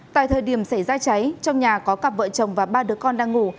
tại thời điểm xảy ra cháy trong nhà có cặp vợ chồng và ba đứa con đang ngủ